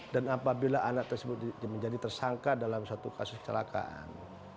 dan apabila anak tersebut menjadi tersangka dalam suatu kasus kecelakaan